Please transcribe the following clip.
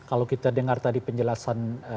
kalau kita dengar tadi penjelasan